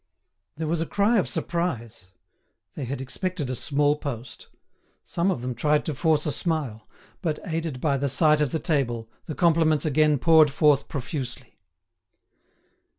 There was a cry of surprise. They had expected a small post. Some of them tried to force a smile; but, aided by the sight of the table, the compliments again poured forth profusely.